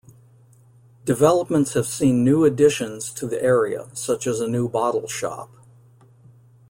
Developments have seen new additions to the area, such as a new bottle shop.